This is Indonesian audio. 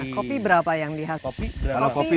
kopi berapa yang dihasilkan